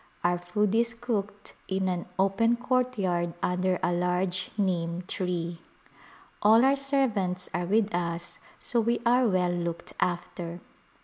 Our food is cooked in an open courtyard under a large Nim tree. All our serv ants are with us so we are well looked after.